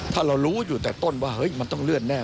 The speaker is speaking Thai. ถ้าเรารู้อยู่แต่ต้นว่าเฮ้ยมันต้องเลื่อนแน่